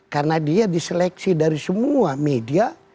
karena dia diseleksi dari semua media